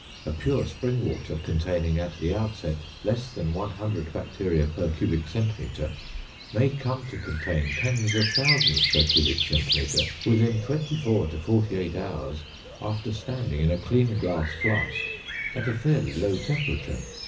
A pure spring water containing at the outset less than 100 bacteria per cubic centimeter may come to contain tens of thousands per cubic centimeter within twenty four to forty eight hours, after standing in a clean glass flask at a fairly low temperature.